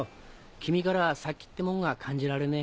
君からは殺気ってもんが感じられねえ。